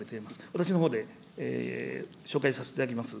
私のほうで紹介させていただきます。